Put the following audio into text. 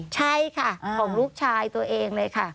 ใช่ค่ะของลูกชายตัวเองเลยค่ะ